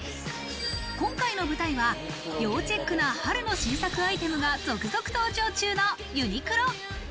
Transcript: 今回の舞台は要チェックな春の新作アイテムが続々登場中のユニクロ。